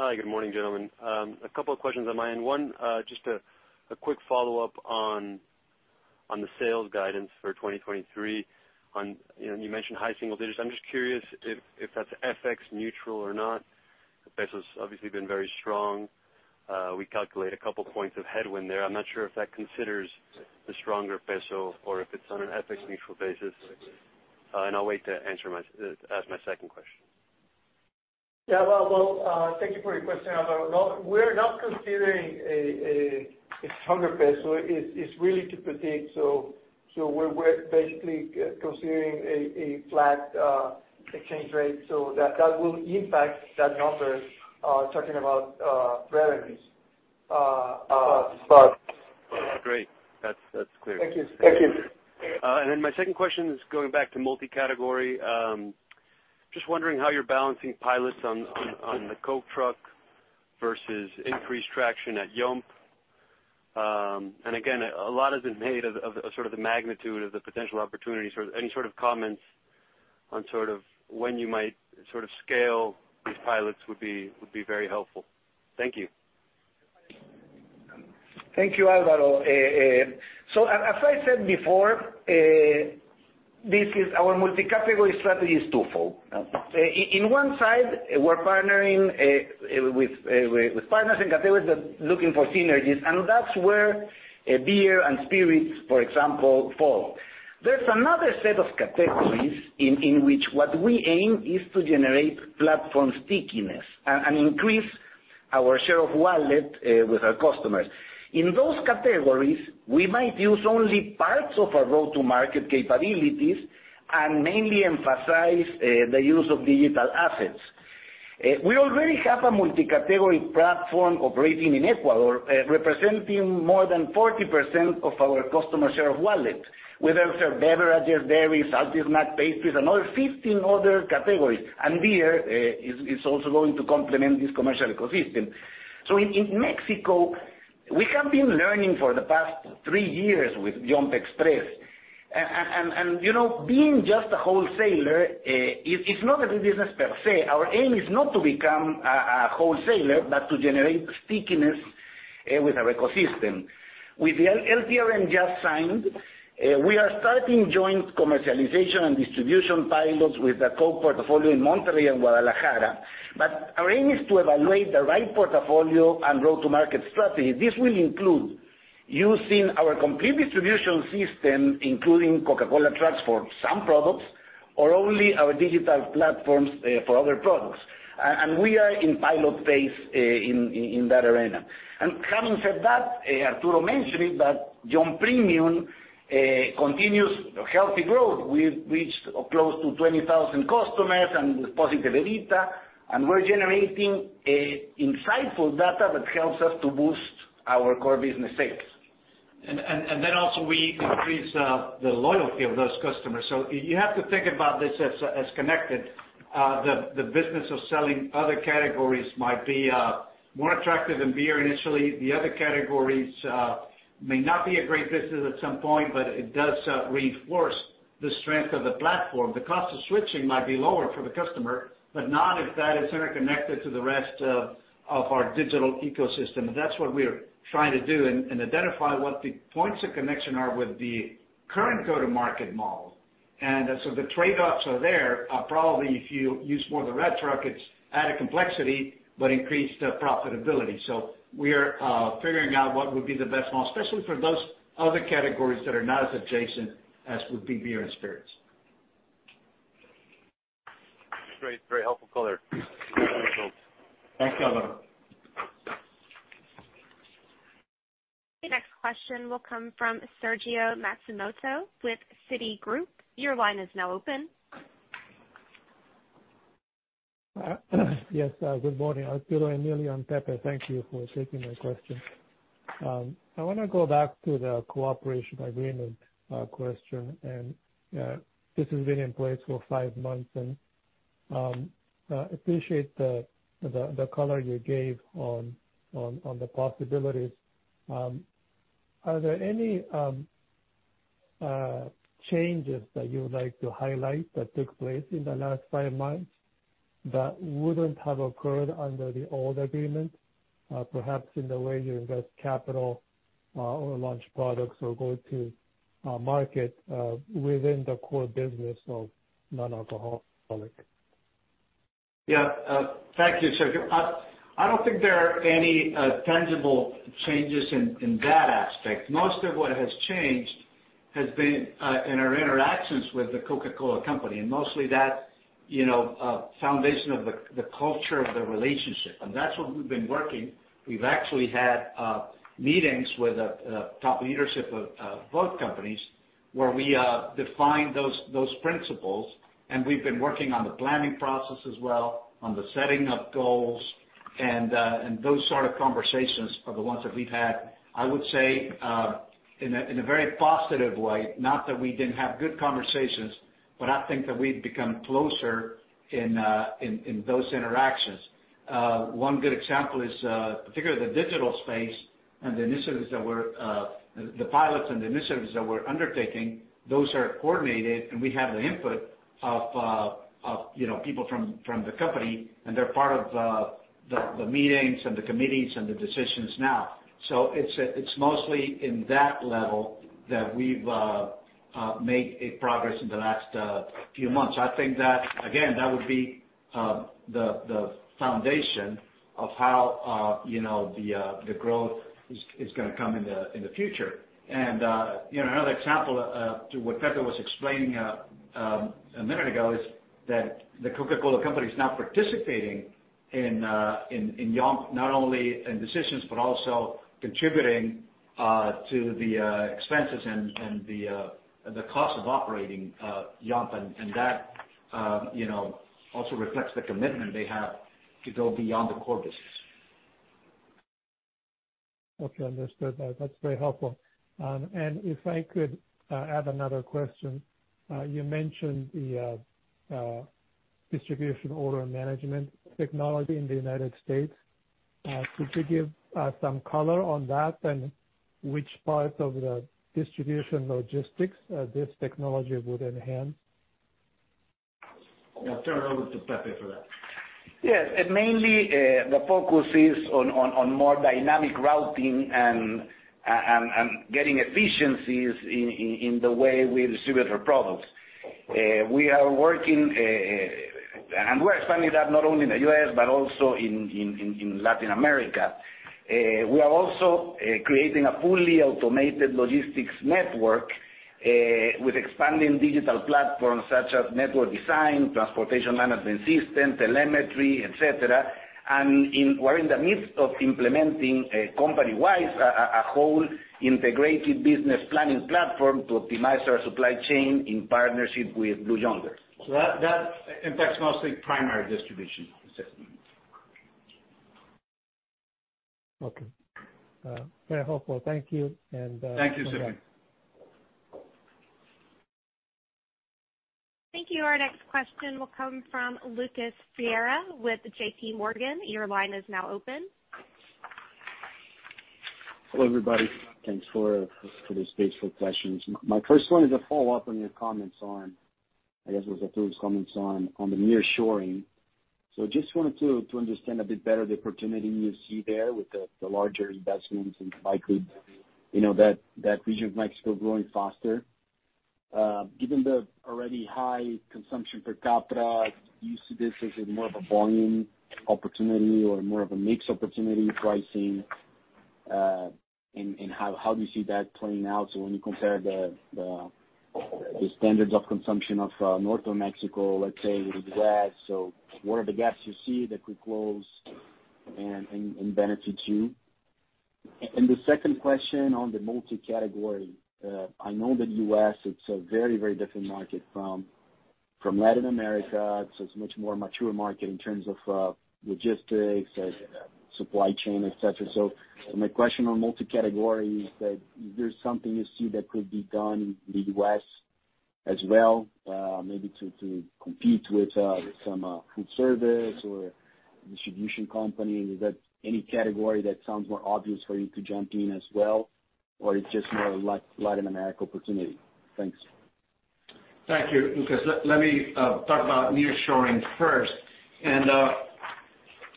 Hi. Good morning, gentlemen. A couple of questions on my end. One, just a quick follow-up on the sales guidance for 2023 on, you know, you mentioned high single digits. I'm just curious if that's FX neutral or not. The peso's obviously been very strong. We calculate a couple points of headwind there. I'm not sure if that considers the stronger peso or if it's on an FX neutral basis. I'll wait to ask my second question. Yeah. Well, thank you for your question, Alvaro. Well, we're not considering a stronger peso. It's really to predict. We're basically considering a flat exchange rate. That will impact that number, talking about revenues. Great. That's clear. Thank you. Thank you. My second question is going back to multi-category. Just wondering how you're balancing pilots on the Coke truck versus increased traction at Yomp. A lot has been made of the sort of the magnitude of the potential opportunity. Any sort of comments on when you might scale these pilots would be very helpful. Thank you. Thank you, Alvaro. As I said before, this is our multi-category strategy is two-fold. In one side, we're partnering with partners and categories that looking for synergies, and that's where beer and spirits, for example, fall. There's another set of categories in which what we aim is to generate platform stickiness and increase our share of wallet with our customers. In those categories, we might use only parts of our go-to-market capabilities and mainly emphasize the use of digital assets. We already have a multi-category platform operating in Ecuador, representing more than 40% of our customer share of wallet, whether for beverages, dairies, salty snack, pastries, and other 15 other categories. Beer also going to complement this commercial ecosystem. In Mexico, we have been learning for the past three years with Yomp! Express. And, you know, being just a wholesaler, is not a good business per se. Our aim is not to become a wholesaler, but to generate stickiness with our ecosystem. With the LTRM just signed, we are starting joint commercialization and distribution pilots with the Coke portfolio in Monterrey and Guadalajara. Our aim is to evaluate the right portfolio and go-to-market strategy. This will include using our complete distribution system, including Coca-Cola trucks for some products, or only our digital platforms for other products. We are in pilot phase in that arena. Having said that, Arturo mentioned it, but Yomp Premium continues healthy growth. We've reached close to 20,000 customers and positive EBITDA, and we're generating a insightful data that helps us to boost our core business sales. Also we increase the loyalty of those customers. You have to think about this as connected. The business of selling other categories might be more attractive than beer initially. The other categories may not be a great business at some point, but it does reinforce the strength of the platform. The cost of switching might be lower for the customer, but not if that is interconnected to the rest of our digital ecosystem. That's what we are trying to do and identify what the points of connection are with the current go-to-market model. The trade-offs are there. Probably if you use more of the red truck, it's added complexity, but increased profitability We are figuring out what would be the best model, especially for those other categories that are not as adjacent as would be beer and spirits. Great, very helpful color. Thanks, Alvaro. The next question will come from Sergio Matsumoto with Citigroup. Your line is now open. Yes, good morning, Arturo, Emilio and Pepe. Thank you for taking my question. I wanna go back to the cooperation agreement question. This has been in place for five months, appreciate the color you gave on the possibilities. Are there any changes that you would like to highlight that took place in the last five months that wouldn't have occurred under the old agreement, perhaps in the way you invest capital or launch products or go to market within the core business of non-alcohol products? Yeah. Thank you, Sergio. I don't think there are any tangible changes in that aspect. Most of what has changed has been in our interactions with The Coca-Cola Company, and mostly that, you know, foundation of the culture of the relationship. That's what we've been working. We've actually had meetings with the top leadership of both companies, where we defined those principles, and we've been working on the planning process as well, on the setting of goals. Those sort of conversations are the ones that we've had, I would say, in a very positive way, not that we didn't have good conversations, but I think that we've become closer in those interactions. One good example is particularly the digital space and the initiatives that we're the pilots and the initiatives that we're undertaking, those are coordinated, and we have the input of, you know, people from the company, and they're part of the meetings and the committees and the decisions now. It's mostly in that level that we've made a progress in the last few months. I think that, again, that would be the foundation of how, you know, the growth is gonna come in the future. You know, another example, to what Pepe was explaining, a minute ago is that The Coca-Cola Company is now participating in Yomp!, not only in decisions, but also contributing to the expenses and the cost of operating Yomp!. That, you know, also reflects the commitment they have to go beyond the core business. Okay, understood. That's very helpful. If I could add another question. You mentioned the distribution order and management technology in the United States. Could you give some color on that and which part of the distribution logistics this technology would enhance? I'll turn it over to Pepe for that. Yes. Mainly, the focus is on more dynamic routing and getting efficiencies in the way we distribute our products. We are working and we're expanding that not only in the U.S., but also in Latin America. We are also creating a fully automated logistics network with expanding digital platforms such as network design, transportation management system, telemetry, et cetera. We're in the midst of implementing a company-wide, a whole integrated business planning platform to optimize our supply chain in partnership with Blue Yonder. That impacts mostly primary distribution systems. Okay. Very helpful. Thank you. Thank you, Sergio. Okay. Thank you. Our next question will come from Lucas Ferreira with JPMorgan. Your line is now open. Hello, everybody. Thanks for the space for questions. My first one is a follow-up on your comments on, I guess it was Arturo's comments on the nearshoring. just wanted to understand a bit better the opportunity you see there with the larger investments and why could, you know, that region of Mexico growing faster. Given the already high consumption per capita, do you see this as a more of a volume opportunity or more of a mix opportunity pricing? and how do you see that playing out? When you compare the standards of consumption of northern Mexico, let's say, with the U.S. What are the gaps you see that could close and benefit you? the second question on the multi-category. I know the U.S., it's a very, very different market from Latin America. It's a much more mature market in terms of logistics and supply chain, et cetera. My question on multi-category is that is there something you see that could be done in the U.S. as well, maybe to compete with some food service or distribution company? Is that any category that sounds more obvious for you to jump in as well, or it's just more a Latin America opportunity? Thanks. Thank you, Lucas. Let me talk about nearshoring first.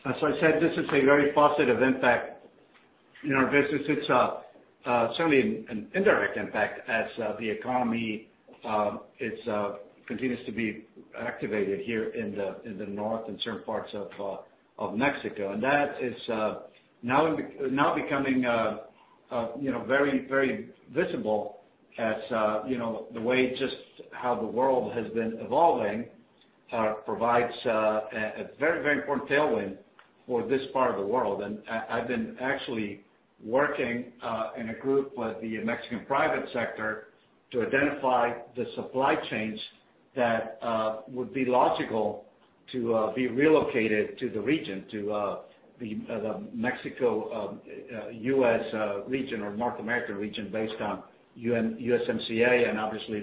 I said this is a very positive impact in our business. It's certainly an indirect impact as the economy continues to be activated here in the north and certain parts of Mexico. That is now becoming, you know, very visible as, you know, the way just how the world has been evolving provides a very important tailwind for this part of the world. I've been actually working in a group with the Mexican private sector to identify the supply chains that would be logical to be relocated to the region, to the Mexico, U.S. region or North American region based on USMCA and obviously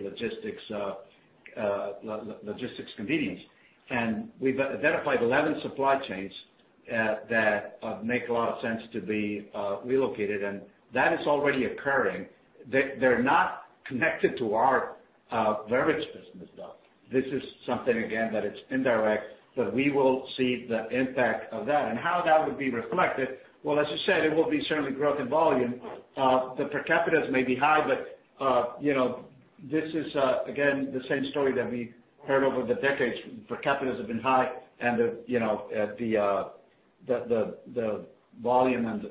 logistics convenience. We've identified 11 supply chains that make a lot of sense to be relocated, and that is already occurring. They're not connected to our beverage business though. This is something again that it's indirect, but we will see the impact of that. How that would be reflected, well, as you said, it will be certainly growth in volume. The per capitas may be high, but, you know, this is again, the same story that we've heard over the decades. Per capitas have been high and the, you know, the volume and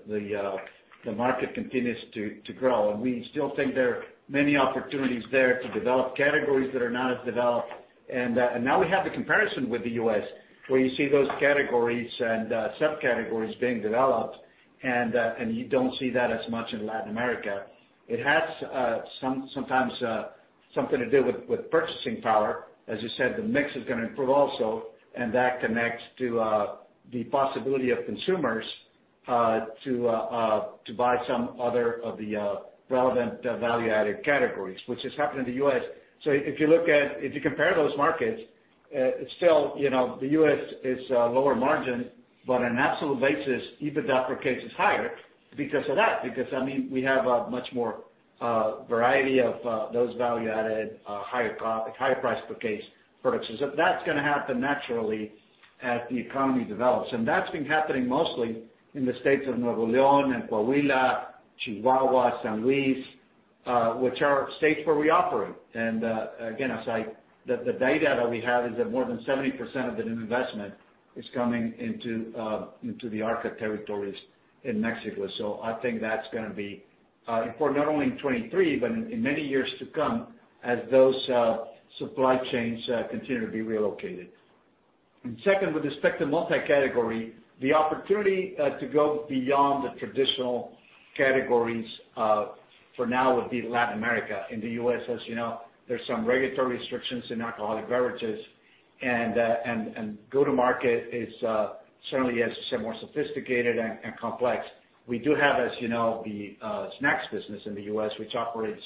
the market continues to grow. We still think there are many opportunities there to develop categories that are not as developed. Now we have the comparison with the U.S., where you see those categories and subcategories being developed, and you don't see that as much in Latin America. It has sometimes something to do with purchasing power. As you said, the mix is gonna improve also, and that connects to the possibility of consumers to buy some other of the relevant value-added categories, which has happened in the U.S. If you compare those markets, still, you know, the U.S. is lower margin, but on absolute basis, EBITDA per case is higher because of that. Because, I mean, we have a much more variety of those value-added, higher price per case products. That's gonna happen naturally as the economy develops. That's been happening mostly in the states of Nuevo León and Coahuila, Chihuahua, San Luis, which are states where we operate. Again, as I... The data that we have is that more than 70% of the new investment is coming into the Arca territories in Mexico. I think that's gonna be important not only in 2023, but in many years to come as those supply chains continue to be relocated. Second, with respect to multi-category, the opportunity to go beyond the traditional categories, for now would be Latin America. In the U.S., as you know, there's some regulatory restrictions in alcoholic beverages, and go-to-market is certainly, as you said, more sophisticated and complex. We do have, as you know, the snacks business in the U.S., which operates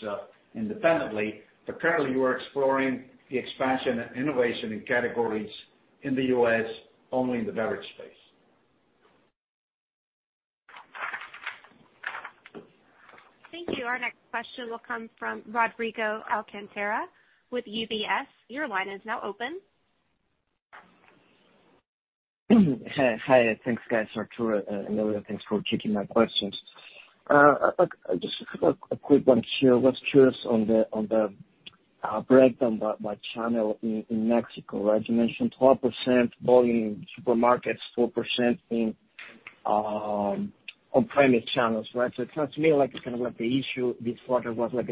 independently, but currently we're exploring the expansion and innovation in categories in the U.S. only in the beverage space. Thank you. Our next question will come from Rodrigo Alcantara with UBS. Your line is now open. Hi. Thanks, guys. Arturo and Emilio, thanks for taking my questions. Just a quick one here. I was curious on the breakdown by channel in Mexico, right? You mentioned 12% volume in supermarkets, 4% in on-premise channels, right? It sounds to me like it's kind of like the issue this quarter was like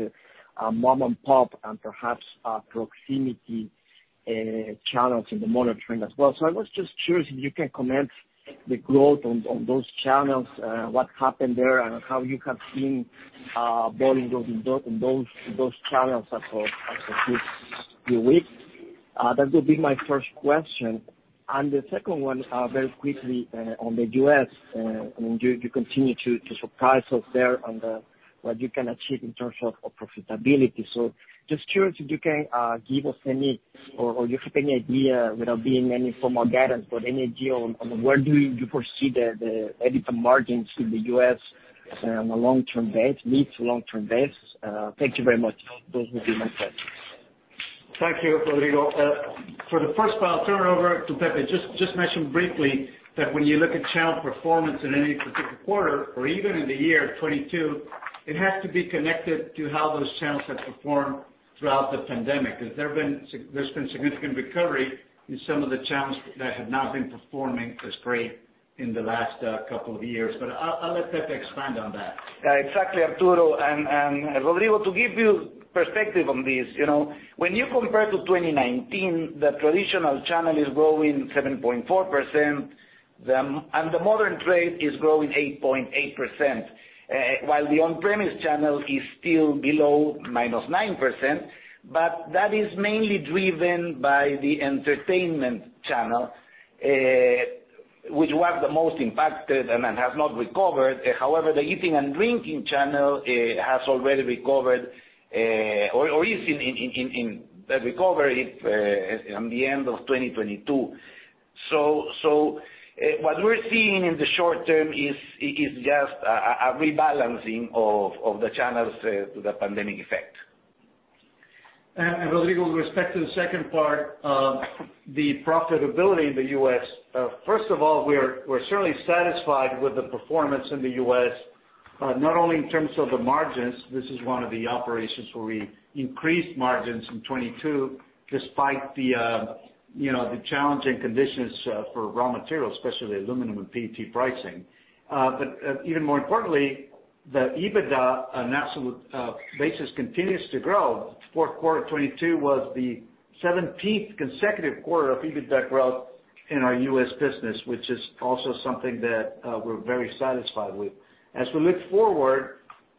a mom and pop and perhaps proximity channels in the modern trade as well. I was just curious if you can comment the growth on those channels, what happened there and how you have seen volume grow in those channels as of this few weeks. That would be my first question. The second one, very quickly, on the U.S., I mean, you continue to surprise us there on what you can achieve in terms of profitability. Just curious if you can give us any or you have any idea, without being any formal guidance, but any idea on where do you foresee the EBITDA margins in the U.S. on a long-term base, mid- to long-term base? Thank you very much. Those would be my questions. Thank you, Rodrigo. For the first part, I'll turn it over to Pepe. Just to mention briefly that when you look at channel performance in any particular quarter or even in the year 2022, it has to be connected to how those channels have performed throughout the pandemic. There's never been significant recovery in some of the channels that have not been performing as great in the last couple of years. I'll let Pepe expand on that. Exactly, Arturo. Rodrigo, to give you perspective on this, you know, when you compare to 2019, the traditional channel is growing 7.4%, the modern trade is growing 8.8%, while the on-premise channel is still below -9%, but that is mainly driven by the entertainment channel, which was the most impacted and has not recovered. However, the eating and drinking channel has already recovered or is in the recovery at the end of 2022. What we're seeing in the short term is just a rebalancing of the channels to the pandemic effect. With legal respect to the second part, the profitability in the U.S. First of all, we're certainly satisfied with the performance in the U.S., not only in terms of the margins, this is one of the operations where we increased margins from 22% despite the, you know, the challenging conditions for raw materials, especially aluminum and PET pricing. Even more importantly, the EBITDA on absolute basis continues to grow. Q4 2022 was the 17th consecutive quarter of EBITDA growth in our U.S. business, which is also something that we're very satisfied with. As we look forward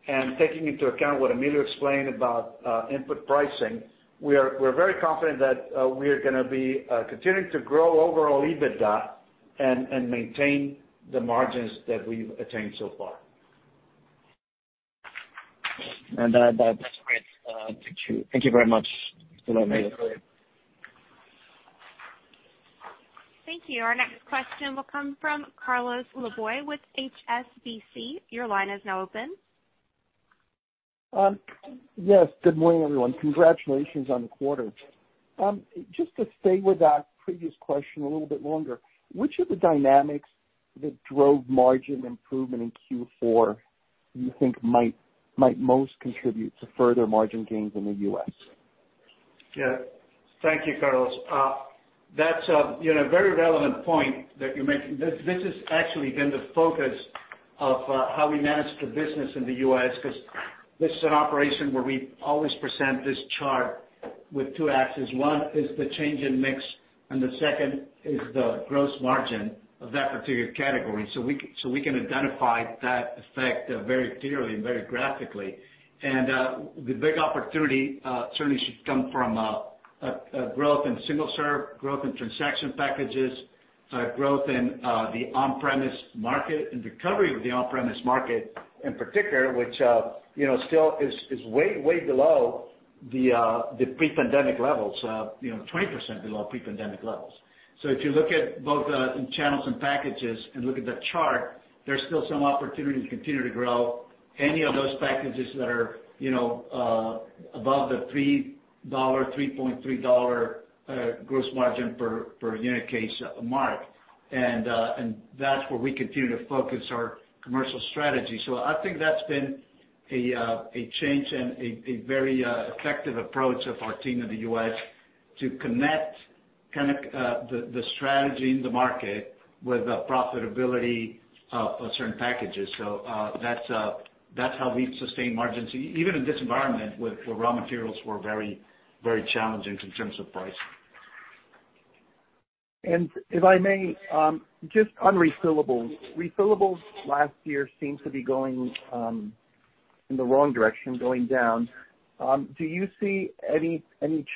and taking into account what Emilio explained about input pricing, we're very confident that we are gonna be continuing to grow overall EBITDA and maintain the margins that we've attained so far. That's great. Thank you. Thank you very much, Arturo. Thank you. Our next question will come from Carlos Laboy with HSBC. Your line is now open. Yes, good morning, everyone. Congratulations on the quarter. Just to stay with that previous question a little bit longer, which of the dynamics that drove margin improvement in Q4 you think might most contribute to further margin gains in the U.S.? Yeah. Thank you, Carlos. That's, you know, a very relevant point that you mentioned. This has actually been the focus of how we manage the business in the U.S. 'cause this is an operation where we always present this chart with two axes. One is the change in mix, and the second is the gross margin of that particular category. We can identify that effect very clearly and very graphically. The big opportunity certainly should come from a growth in single serve, growth in transaction packages, growth in the on-premise market and recovery of the on-premise market in particular, which, you know, still is way below the pre-pandemic levels, you know, 20% below pre-pandemic levels. If you look at both in channels and packages and look at the chart, there's still some opportunity to continue to grow any of those packages that are, you know, above the $3, 3.3 gross margin per unit case mark. That's where we continue to focus our commercial strategy. I think that's been a change and a very effective approach of our team in the U.S. to connect kind of the strategy in the market with the profitability of certain packages. That's how we've sustained margins even in this environment where raw materials were very, very challenging in terms of price. if I may, just on refillables. Refillables last year seemed to be going in the wrong direction, going down. Do you see any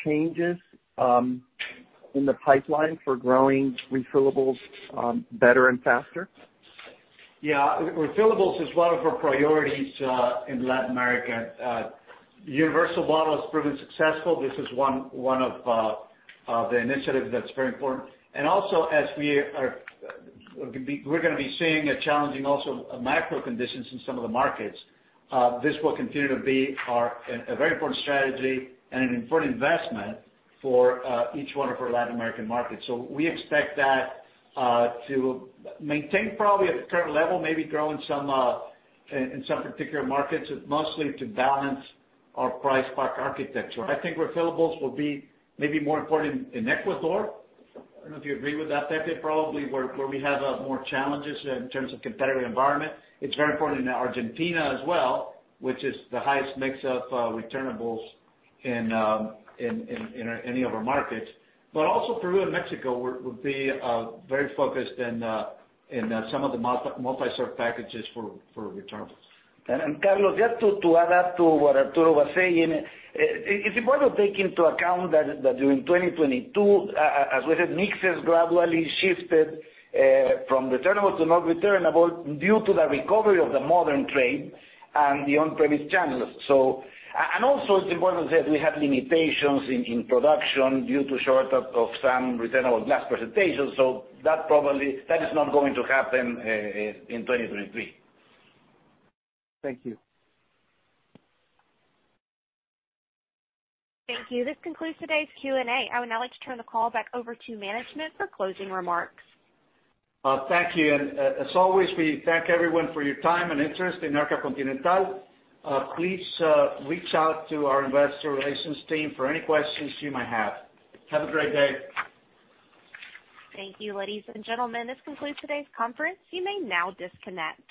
changes in the pipeline for growing refillables better and faster? Refillables is one of our priorities in Latin America. Universal bottle has proven successful. This is one of the initiatives that's very important. As we are we're gonna be seeing a challenging also macro conditions in some of the markets, this will continue to be our a very important strategy and an important investment for each one of our Latin American markets. We expect that to maintain probably at the current level, maybe grow in some in some particular markets, mostly to balance our price pack architecture. I think refillables will be maybe more important in Ecuador. I don't know if you agree with that, Pepe, probably where we have more challenges in terms of competitive environment. It's very important in Argentina as well, which is the highest mix of returnables in any of our markets. Also Peru and Mexico will be very focused in some of the Multi-Serve packages for returnables. Carlos, just to add up to what Arturo was saying, it's important to take into account that during 2022, as we said, mixes gradually shifted from returnable to not returnable due to the recovery of the modern trade and the on-premise channels. Also it's important to say we have limitations in production due to shortage of some returnable glass presentations. That is not going to happen in 2023. Thank you. Thank you. This concludes today's Q&A. I would now like to turn the call back over to management for closing remarks. Thank you. As always, we thank everyone for your time and interest in Arca Continental. Please, reach out to our investor relations team for any questions you might have. Have a great day. Thank you, ladies and gentlemen. This concludes today's conference. You may now disconnect.